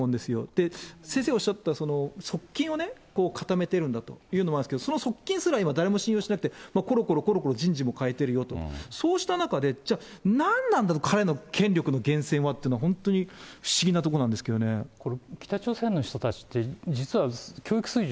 で、先生おっしゃった、側近を固めているんだというのもあるんですけど、その側近すら今誰も信用してなくて、ころころころころ人事もかえてるよと、そうした中で、じゃあ、何なんだと、彼の権力の源泉はというところが、本当に不思議なとこなんですけどこれ、北朝鮮の人って教育水準